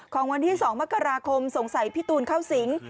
ของวันที่๒มกราคมสงสัยพี่ตูนเข้าสิง